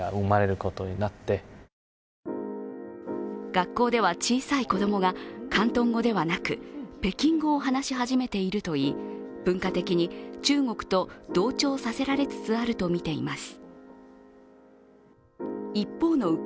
学校では小さい子供が広東語ではなく北京語を話し始めているといい文化的に中国と同調させられつつあるといいます。